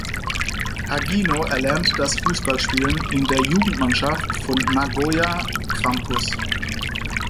Hagino erlernte das Fußballspielen in der Jugendmannschaft von Nagoya Grampus.